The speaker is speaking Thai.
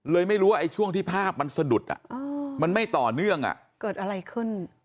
ไม่รู้ว่าไอ้ช่วงที่ภาพมันสะดุดมันไม่ต่อเนื่องเกิดอะไรขึ้น